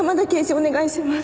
お願いします。